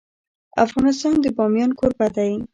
افغانستان د بامیان کوربه دی.